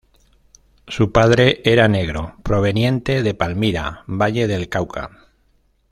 Su padre era negro proveniente de Palmira, Valle del Cauca.